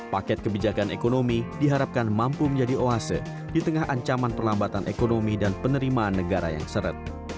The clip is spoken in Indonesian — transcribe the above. paket kebijakan ekonomi diharapkan mampu menjadi oase di tengah ancaman perlambatan ekonomi dan penerimaan negara yang seret